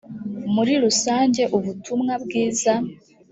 muri rusange ubutumwa bwiza